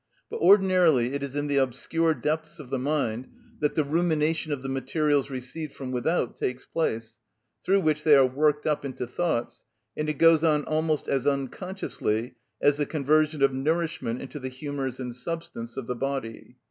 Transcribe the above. But ordinarily it is in the obscure depths of the mind that the rumination of the materials received from without takes place, through which they are worked up into thoughts; and it goes on almost as unconsciously as the conversion of nourishment into the humours and substance of the body.